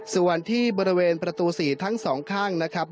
ส่วนที่บริเวณประตู๔ทั้งสองข้างนะครับ